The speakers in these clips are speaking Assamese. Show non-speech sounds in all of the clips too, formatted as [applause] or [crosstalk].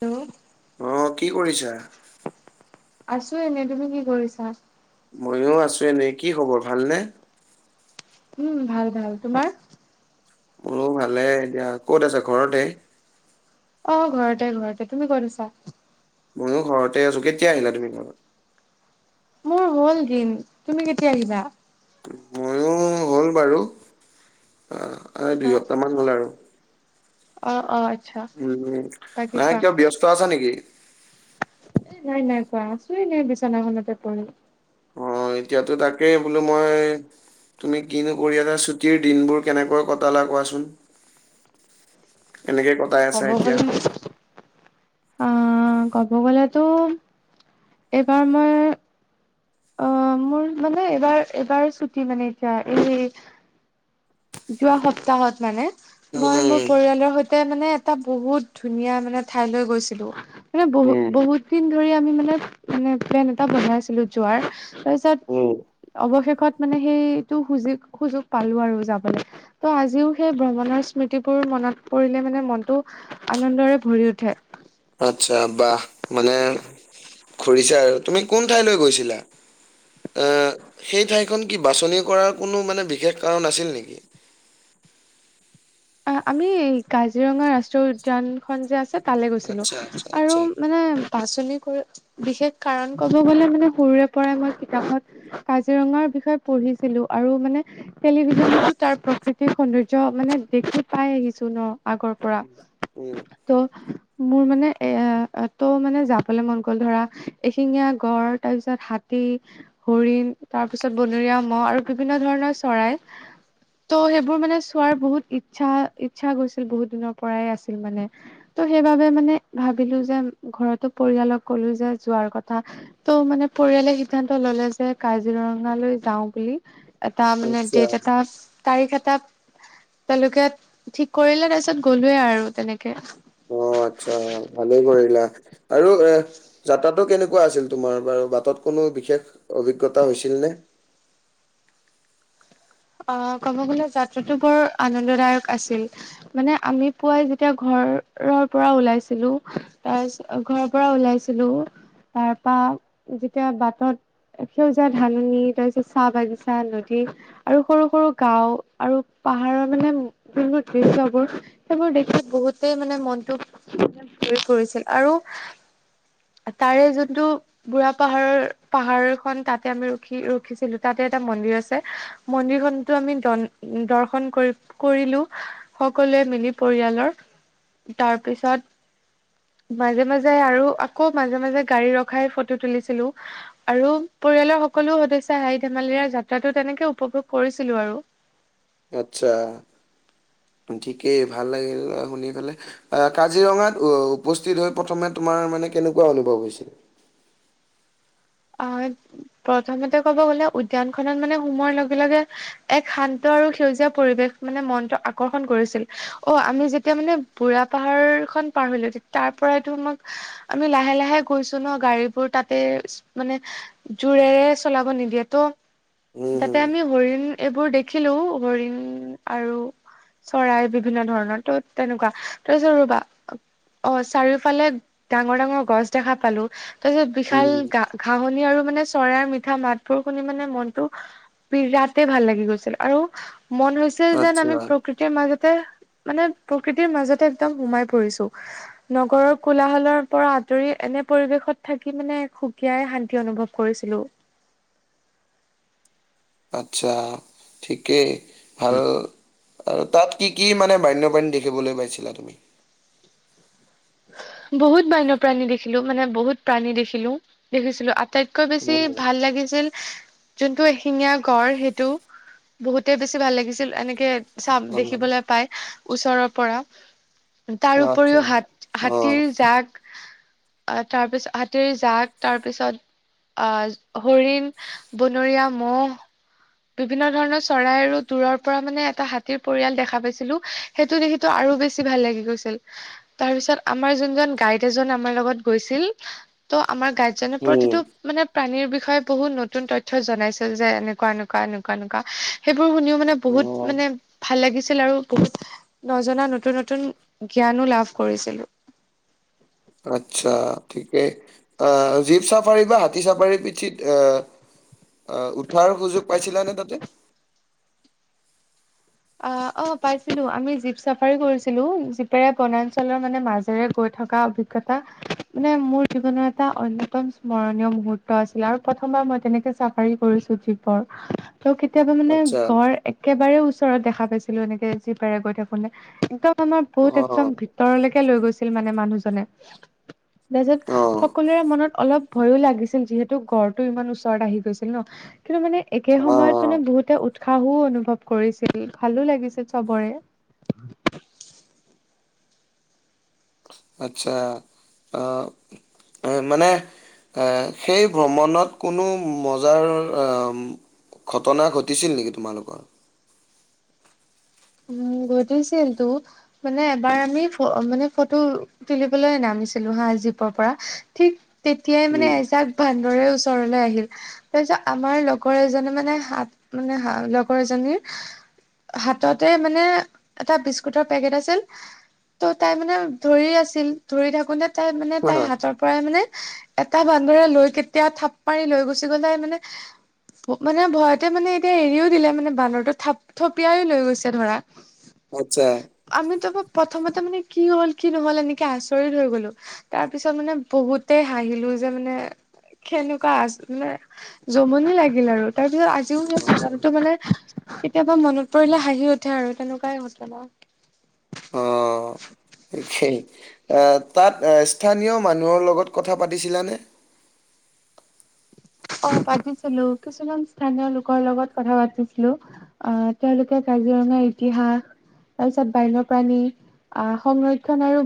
হেল্ল' আহ কি কৰিছা। আছো এনেই তুমি কি কৰিছা। ময়ো আছোঁ এনেই কি খবৰ ভালনে। উম ভাল ভাল তোমাৰ। মোৰো ভালে এতিয়া ক'ত আছা ঘৰতে, অ ঘৰতে ঘৰতে তুমি ক'ত আছা। ময়ো ঘৰতে আছোঁ কেতিয়া আহিলা তুমি ঘৰত। মোৰ হ'ল দিন তুমি কেতিয়া আহিলা। ময়ো হ'ল বাৰু আচ্ছা, দুই সপ্তাহ মান হ'ল আৰু অ অ, আচ্ছা উম বাকী নাই কোৱা? কিয় ব্যস্ত আছা নেকি। নাই নাই কোৱা আছো এনে বিচনাখনতে পৰি। অ এতিয়াতো তাকেই বোলো মই, তুমি কিনো কৰি আছা ছুটীৰ দিনবোৰ কেনেকৈ কটালা কোৱাচোন। কেনেকে ক, ক'ব গ'লে অ, অ ক'ব গ'লেতো এইবাৰ মই, অ মোৰ মানে এবাৰ এবাৰ ছুটি মানে এতিয়া এই, যোৱা সপ্তাহত মানে মই মোৰ উম, পৰিয়ালৰ সৈতে। তাতে মানে এটা বহুত ধুনীয়া মানে ঠাইলৈ গৈছিলোঁ। মানে বহুত উম, বহুত দিন ধৰি আমি মানে মানে প্লেন এটা বনাইছিলো যোৱাৰ। তাৰপিছত উম, অৱশেষত মানে সেইটো সুযোগ সুযোগ পালোঁ আৰু যাব। ত' আজিও সেই ভ্ৰমণৰ স্মৃতিবোৰ মনত পৰিলে মানে মনটো। আনন্দৰে ভৰি উঠে। আচ্ছা বাহ মানে ঘুৰিছা আৰু তুমি কোন ঠাইলৈ গৈছিলা। এ সেই ঠাইখন কি বাছনি কৰাৰ কোনো মানে বিশেষ কাৰণ আছিল নেকি। অ আমি কাজিৰঙা ৰাষ্ট্ৰীয় উদ্যানখন যে আছে। তালে গৈছিলো আচ্ছা আচ্ছা আৰু আচ্ছা। মানে বাছনি কৰি বিশেষ কাৰণ ক'ব গ'লে মানে সৰুৰে পৰাই মই কিতাপত। কাজিৰঙাৰ বিষয়ে পঢ়িছিলো আৰু মানে। টেলিভিছনো তাৰ প্ৰকৃতিক সৌন্দৰ্য মানে দেখি। পাই আহিছো ন আগৰ পৰা উম। উম, ত। মোৰ মানে এ ত মানে যাবলে মন গ'ল ধৰা এশিঙীয়া গড় তাৰপিছত হাত হৰিণ তাৰ পিছত বনৰীয়া মহ আৰু বিভিন্ন ধৰণৰ চৰাই। ত সেইবোৰ মানে চোৱাৰ বহুত ইচ্ছা ইচ্ছা গৈছিল বহুত দিনৰ পৰাই আছিল মানে। ত সেইবাবে মানে ভাবিলো যে ঘৰতো পৰিয়ালক ক'লো যে যোৱাৰ কথা। ত' মানে পৰিয়ালে সিদ্ধান্ত ল'লে যে কাজিৰঙালৈ যাওঁ বুলি এটা মানে আচ্ছা ডেট এটা তাৰিখ এটা তেওঁলোকে ঠিক কৰিলে তাৰপিছত গ'লোৱে আৰু তেনেকে অ আচ্ছা ভালেই কৰিলা আৰু এ যাত্ৰাটো কেনেকুৱা আছিল তোমাৰ বাৰু বাটত কোনো বিশেষ অভিজ্ঞতা হৈছিল নে অ ক'ব গলে যাত্ৰাটো বৰ আনন্দদায়ক আছিল মানে আমি পুৱাই যেতিয়া ঘৰৰ পৰা ওলাইছিলো তাৰিছ ঘৰৰ পৰা ওলাইছিলো তাৰ পৰাা যেতিয়া বাটত সেউজীয়া ধাননি তাৰপিছত চাহ বাগিছা নদী আৰু সৰু সৰু গাও আৰু পাহাৰৰ মানে বিভিন্ন দৃশ্য়বোৰ সেইবোৰ দেখি বহুতেই মানে মনটো ভৰি পৰিছিল আৰু তাৰে যোনটো বুঢ়া পাহাৰৰ পাহাৰ খন তাতে আমি ৰখি ৰখিছিলো তাতে এটা মন্দিৰ আছে মন্দিৰখনতো আমি দ দৰ্শন কৰি কৰিলো সকলোৱে মিলি পৰিয়ালৰ তাৰপিছত মাজে মাজে আৰু আকৌ মাজে মাজে গাড়ী ৰখাই ফটো তুলিছিলো আৰু পৰিয়ালৰ সকলো সদস্যই হাঁহি ধেমালি যাত্ৰাটো তেনেকে উপভোগ কৰিছিলো আৰু আচ্ছা ঠিকেই ভাল লাগিল শুনি পেলাই আহ কাজিৰঙাত উপস্থিত হৈ প্ৰথমে তোমাৰ মানে কেনেকুৱা অনুভৱ হৈছিল অ প্ৰথমতে ক'ব গ'লে উদ্যান খনত মানে সোমোৱাৰ লগে লগে এক শান্ত আৰু সেউজীয়া পৰিৱেশ মানে মনটো আকৰ্ষণ কৰিছিল অ আমি যেতিয়া মানে বুঢ়া পাহাৰ খন পাৰ হলো তাৰ পৰাইটো আমাক আমি লাহে লাহে গৈছো ন গাড়ীবোৰ তাতে মানে জোৰেৰে চলাব নিদিয়ে উম ত' হম তাতে আমি হৰিণ এইবোৰ দেখিলো হৰিণ আৰু চৰাই বিভিন্ন ধৰণৰ ত তেনেকুৱা তই যে ৰবা অ চাৰিওফালে ডাঙৰ ডাঙৰ গছ দেখা পালো তাৰপিছত উম বিশাল ঘাহনি আৰু মানে চৰায়ৰ মিঠা মাতবোৰ শুনি মানে মনটো বিৰাতে ভাল লাগি গৈছিল আৰু মন হৈছিল যেন আচ্ছা আমি প্ৰকৃতি মাজতে মানে প্ৰকৃতিৰ মাজতে একদম সোমাই পৰিছো নগৰৰ কোলাহলৰ পৰা আঁতৰি এনে পৰিৱেশত থাকি মানে খু এতিয়াই শান্তি অনুভৱ কৰিছিলোঁ আচ্ছা ঠিকেই ভাল আৰু তাত কি কি মানে বান্যপ্ৰাণী দেখিবলৈ পাইছিলা তুমি বহুত বান্যপ্ৰাণী দেখিলো মানে বহুত প্ৰাণী দেখিলো দেখিছিলো আ আটাইতকৈ বেছি উম, ভাল লাগিছিল যোনটো এশিঙীয়া গড় সেইটো বহুতে বেছি ভাল লাগিছিল এনেকে চাম উম, দেখিবলৈ পাই ওচৰৰ পৰা তাৰ আচ্ছা। উপৰিও হাত হাতীৰ অ', জাক তাৰপিছত হাতীৰ জাক তাৰপিছত আহ হৰিণ বনৰীয়া মহ বিভিন্ন ধৰণৰ চৰাই আৰু দূৰৰ পৰা মানে এটা হাতীৰ পৰিয়াল দেখা পাইছিলো সেইটো দেখিটো আৰু বেছি ভাল লাগি গৈছিল তাৰ পিছত আমাৰ যোনজন গাইড এজন আমাৰ লগত গৈছিল ত' আমাৰ গাইদজনে উম, প্ৰতিটো মানে প্ৰাণীৰ বিষয়ে বহুত নতুন তথ্য জনাইছিল যে এনেকুৱা এনেকুৱা এনেকুৱা নুৱা সেইবোৰ শুনিও মানে বহুত অ', মানে ভাল লাগিছিল আৰু বহুত নজনা নতুন নতুন জ্ঞানো লাভ কৰিছিলো। আচ্ছা ঠিকেই আহ জীপ চাফাৰী বা হাতী চাফাৰীৰ পিঠিত আহ অ উঠাৰ সুযোগ পাইছিলা নে তাতে অ অ পাইছিলো আমি জীপ চাফাৰী কৰিছিলো জীপেৰে বনাঞ্চলৰ মানে মাজ হে গৈ থকা অভিজ্ঞতা মানে মোৰ জীৱনৰ এটা অন্যতম স্মৰণীয় মুহুৰ্ত আছিল আৰু প্ৰথমবাৰ মই তেনেকে চ চাফাৰী কৰিছো জীপৰ [inaudible] ত' কেতিয়াবা মানে আচ্ছা, ঘৰ একেবাৰে ওচৰত দেখা পাইছিলো এনেকে যি পাৰে গৈ থাকোতে একদম আমাৰ বহুত একদম অ', ভিতৰলৈকে লৈ গৈছিল মানে মানুহজনে তাৰপিছত অ', সকলোৰে মনত অলপ ভয়ো লাগিছিল যিহেতু গড়টো ইমান ওচৰত আহি গৈছিল ন কিন্তু মানে একে সময়ত মানে অ', বহুতে উৎসাহো অনুভৱ কৰিছিল ভালো লাগিছিল চবৰে আচ্চা অ মানে সেই ভ্ৰমণত কোনো মজাৰ ঘটনা ঘটিছিল নেকি তোমালোকৰ উম গঠিছিল টো মানে এবাৰ আমি মানে ফটো তুলিবলৈ নামিছিলো হা জীপৰ পৰা ঠিক তেতিয়াই মানে উম, এজাক বান্দৰে ওচৰলৈ আহিল তাৰপিছত আমাৰ লগৰ এজনী মানে হাত মানে হাত লগৰ এজনী হাত তাতে মানে এটা বিস্কুটৰ পেকেট আছিল। ত' তাই মানে ধৰি আছিল ধৰি থাকোতে তাই মানে তাইৰ হাতৰ পৰাই মানে এটা বান্দৰে লৈ কেতিয়া থাপ মাৰি লৈ গুচি গলে মানে মানে ভয়তে মানে এতিয়া এৰিও দিলে মানে বানৰটো থাপ থপিয়াই লৈ গৈছে। চে ধৰা আচ্ছা আমিতো প্ৰথমতে মানে কি হ'ল কি নহল এনেকে আচৰিত হৈ গলো। তাৰ পিছত মানে বহুতেই হাঁহিলো যে মানে সেনেকুৱা আ মানে জমনি লাগিল আৰু তাৰ পিছত অ'। ঘটনটো মানে কেতিয়াবা মনত পৰিলে হাঁহি উঠে আৰু তেনেকুৱাই ঘটনা অঁ সেই তাত স্থানীয় মানুহৰ লগত কথা পাতিছিলানে? অ পাতিছিলো কিছুমান স্থানীয় লোকৰ লগত কথা পাতিছিলো। আহ তেওঁলোকে কাজিৰঙাৰ ইতিহাস তাৰপিছত বান্য প্ৰাণী আহ সংৰক্ষণ আৰু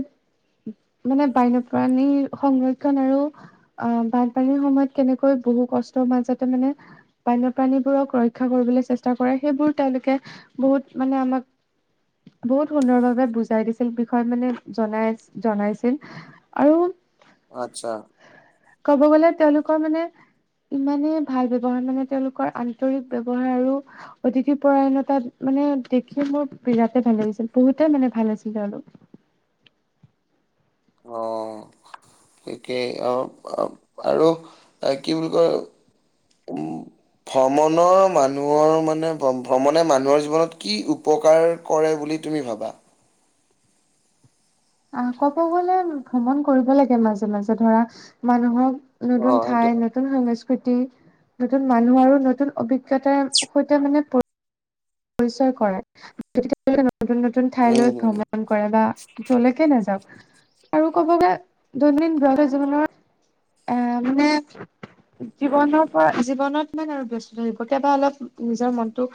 মানে বান্যপ্ৰাণীৰ সংৰক্ষণ আৰু অ বানপানীৰ সময়ত কেনেকৈ বহু কষ্টৰ মাজতে মানে বান্যণী বোৰক ৰক্ষা কৰিবলৈ চেষ্টা কৰে সেইবোৰ তেওঁলোকে বহুত মানে আমাক বহুত সুন্দৰ ভাৱে বুজাই দিছিল বিষয়ে মানে জনাই জনাইছিল আৰু আচ্ছা ক'ব গ'লে তেওঁলোকৰ মানে ইমানেই ভাল ব্যৱহাৰ মানে তেওঁলোকৰ আন্তৰিক ব্যৱহাৰ আৰু অতিথি পৰায়ণতাত মানে দেখি মোৰ বিৰাটে ভাল লাগিছিল বহুতে মানে ভাল আছিল তেওঁলোক অ সিটোৱে অ আৰু কি বুলি কয় উম ভ্ৰমণৰ মানুহৰ মানে ভ্ৰমণে মানুহৰ জীৱনত কি উপকাৰ কৰে বুলি তুমি ভাবা আহ কব গলে ভ্ৰমণ কৰিব লাগে মাজে মাজে ধৰা মানুহক অ নতুন সেইটো ঠাই হয় নতুন সংস [unintelligible] নতুন মানুহ আৰু নতুন অভিজ্ঞতাৰ সৈতে মানে পৰিচয় কৰে তি তেওঁলোকে নতুন নতুন উম ঠাইলৈ হম ভ্ৰমণ কৰে বা জলেকে নাযাওক আৰু ক'ব গৈ দৈনন্দিন ব জীৱনৰ এ মানে জীৱনৰ পৰা জীৱনত মানে আৰু ব্যস্ত থাকিব কেতিাবা অলপ নিজৰ মনটো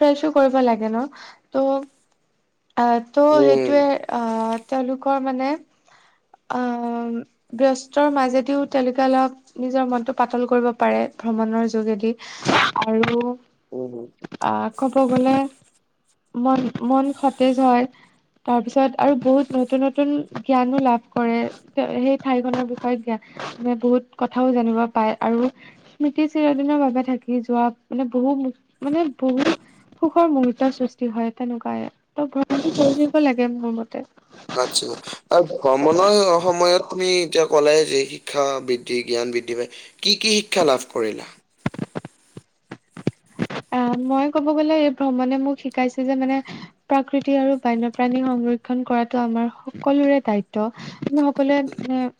ফ্ৰেছো কৰিব লাগে ন ত' ত' উম সেইটোৱে আহ তেওঁলোকৰ মানে অ ব্যস্তৰ মাজেদিও তেওঁলোকে অলপ নিজৰ মনটো পাতল কৰিব পাৰে ভ্ৰমণৰ যোগেদি আৰু উ হ আহ ক'ব গলে মন মন সতেজ হয় তাৰ পিছত আৰু বহুত নতুন নতুন জ্ঞানো লাভ কৰে সেই ঠাইখনৰ বিষয়ত দিয়া মানে বহুত কথাও জানিব পায় আৰু স্মৃতি চিৰদিনৰ বাবে থাকি যোৱা মানে বহু মানে বহু সুখৰ মুহুৰৰ্তৰ সৃষ্টি হয় তেনেকুৱাইে ত ভ্ৰমণ কৰি লাগে মোৰ মতে আচ্ছা আৰু ভ্ৰমণৰ সময়ত তুমি এতিয়া কলে যে শিক্ষা বৃদ্ধি জ্ঞান বৃদ্ধি পায় কি কি শিক্ষা লাভ কৰিলা আহ মই কব গ'লে এই ভ্ৰমণে মোক শিকাইছে যে মানে প্ৰাকৃতি আৰু বন্যপ্ৰাণী সংৰক্ষন কৰাটো আমাৰ সকলোৰে দায়িত্ব আমি [unintelligible]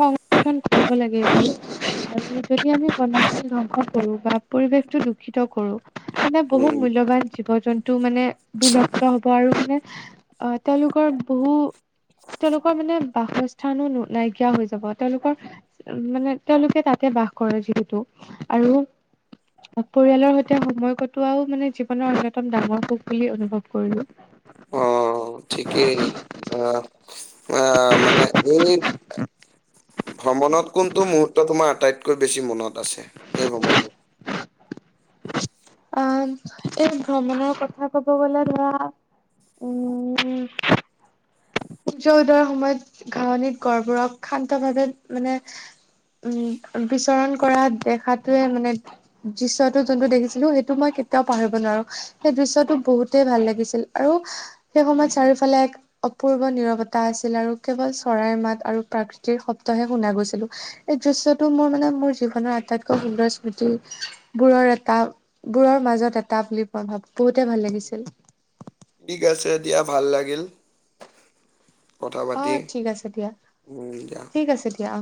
সংৰক্ষণ কৰিব লাগে যদি আমি কি ধ্বংস কৰো বা পৰিৱেশটো দূষিত কৰো মানে বহু উম মূল্যয়বান জীৱ জন্তু টো মানে বিলপ্ত হব আৰু মানে আহ তেওঁলোকৰ বহু তেওঁলোকৰ মানে বাসস্থানো নাই সুকীয়া হৈ যাব তেওঁলোকৰ মানে তেওঁলোকে তাতে বাস কৰে যিহেতটো আৰু পৰিয়ালৰ সৈতে সময় কটোৱাও মানে জীৱনৰ অন্যতম ডাঙৰ সুখ বুলি অনুভৱ কৰিলো [unintelligible] অ ঠিকেই অ মানে এই ভ্ৰমণত কোনটো মুহুৰ্ত তোমাৰ আটাইতকৈ বেছি মনত আছে এই ভ্ৰমণটো অ এই ভ্ৰমণৰ কথা কব গলে ধৰা উম সূৰ্য উদয়ৰ সময়ত ঘাৱনিত গড়বোৰক শান্ত ভাৱে মানে উম বিচৰণ কৰা দেখাতোৱে মানে দৃশ্যটো যোনটো দেখিছিলো সেইটো মই কেতিয়াও পাহৰিব নোৱাৰো সেই দৃশ্যটো বহুতেই ভাল লাগিছিল আৰু সেই সময়ত চাৰিওফালে এক অপূৰ্ব কেৱল নিৰৱতা আছিল আৰু কেৱল চৰাইৰ মাত আৰু প্ৰকৃতিৰ শব্দহে শুনা গৈছিলো এই দৃশ্যটো মোৰ মানে মোৰ জীৱনৰ আটাইতকৈ সুন্দৰ স্মৃতি বোৰৰ এটা বোৰৰ মাজত এটা বুলি মই ভাবো বহুতে ভাল লাগিছিল ঠিক আছে দিয়া ভাল লাগিল কথা অ পাতি ঠিক আছে দিয়া উ দিয়া ঠিক আছে দিয়া অ।